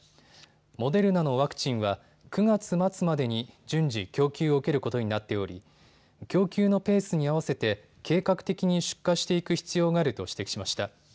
モデルナのワクチンは９月末までに順次、供給を受けることになっており供給のペースに合わせて計画的に出荷していく必要があると指摘しました。